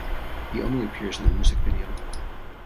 He only appears in the music video.